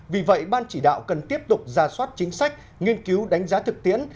vì vậy ban chỉ đạo cần tiếp tục ra soát chính sách nghiên cứu đánh giá thực tiễn